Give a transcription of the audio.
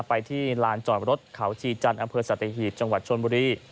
ไปที่ลานจอดรถเขาชีจันทร์อำเภอสัตหีบจังหวัดชนบุรี